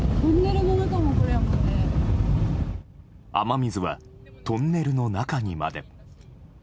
雨水は、トンネルの中にまで。